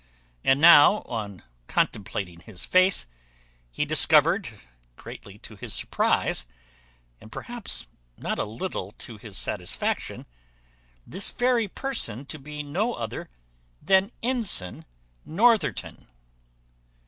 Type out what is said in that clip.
And now, on contemplating his face, he discovered, greatly to his surprize, and perhaps not a little to his satisfaction, this very person to be no other than ensign Northerton.